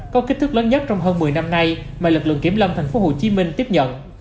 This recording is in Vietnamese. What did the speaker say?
có kích thước lớn nhất trong hơn một mươi năm nay mà lực lượng kiểm lâm tp hcm tiếp nhận